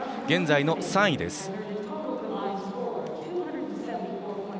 現在の３位です。